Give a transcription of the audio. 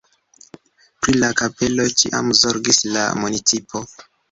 Pri la kapelo ĉiam zorgis la municipo.